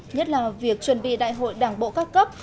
nhất là việc chuẩn bị đại hội đảng bộ các cấp